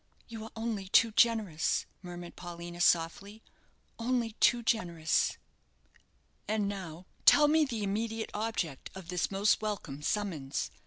"You are only too generous," murmured Paulina, softly; "only too generous." "And now tell me the immediate object of this most welcome summons.